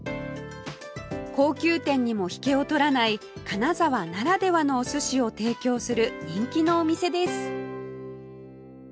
高級店にも引けを取らない金沢ならではのお寿司を提供する人気のお店です